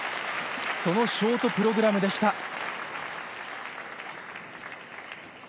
そのショートプログラムでした。